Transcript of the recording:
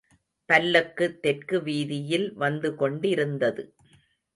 பல்லக்கு தெற்கு வீதியில் வந்து கொண்டிருந்தது.